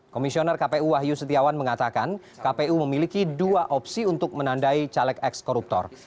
komisioner kpu wahyu setiawan mengatakan kpu memiliki dua opsi untuk menandai caleg ex koruptor